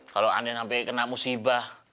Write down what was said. kalau anda sampai kena musibah